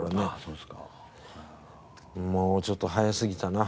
もうちょっと早すぎたな。